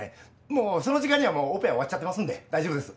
もうその時間にはオペは終わっちゃってますので大丈夫です。